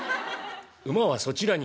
馬はそちらに」。